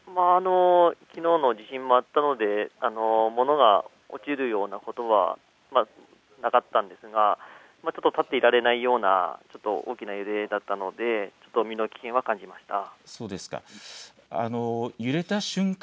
きのうの地震もあったので物が落ちるようなことはなかったんですが立っていられないような大きな揺れだったのでちょっと身の危険は感じました。